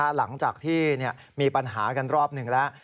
หลังจากที่มีปัญหากันรอบหนึ่งแล้ว